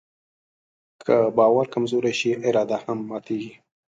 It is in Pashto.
که باور کمزوری شي، اراده هم ماتيږي.